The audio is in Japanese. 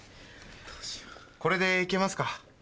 これで行けますか？